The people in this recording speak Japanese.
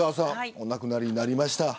お亡くなりになりました。